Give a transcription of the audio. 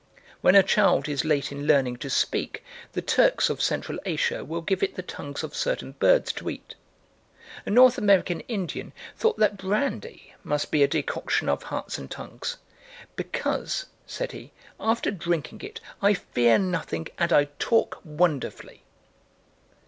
When a child is late in learning to speak, the Turks of Central Asia will give it the tongues of certain birds to eat. A North American Indian thought that brandy must be a decoction of hearts and tongues, "because," said he, "after drinking it I fear nothing, and I talk wonderfully."